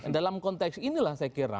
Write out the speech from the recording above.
dalam konteks inilah saya kira